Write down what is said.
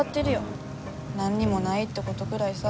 何にもないってことぐらいさ。